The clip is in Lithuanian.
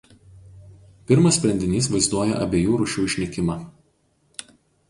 Pirmas sprendinys vaizduoja abiejų rūšių išnykimą.